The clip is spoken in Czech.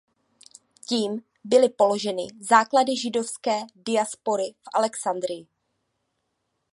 Tím byly položeny základy židovské diaspory v Alexandrii.